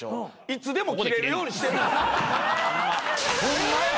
いつでも切れるようにしてんすよ。